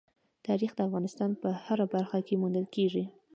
تاریخ د افغانستان په هره برخه کې موندل کېږي.